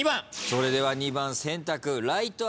それでは２番選択。